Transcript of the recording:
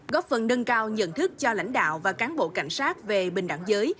góp phần nâng cao nhận thức cho lãnh đạo và cán bộ cảnh sát về bình đẳng giới